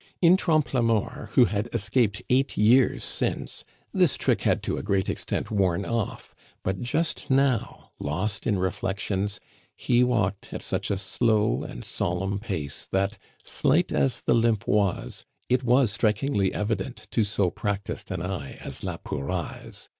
In Trompe la Mort, who had escaped eight years since, this trick had to a great extent worn off; but just now, lost in reflections, he walked at such a slow and solemn pace that, slight as the limp was, it was strikingly evident to so practiced an eye as la Pouraille's.